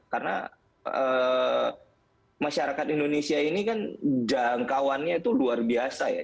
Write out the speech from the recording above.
karena masyarakat indonesia ini kan jangkauannya itu luar biasa ya